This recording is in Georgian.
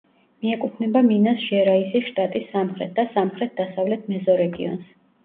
მიეკუთვნება მინას-ჟერაისის შტატის სამხრეთ და სამხრეთ-დასავლეთ მეზორეგიონს.